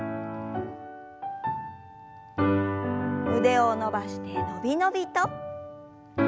腕を伸ばしてのびのびと。